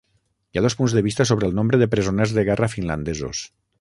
Hi ha dos punts de vista sobre el nombre de presoners de guerra finlandesos.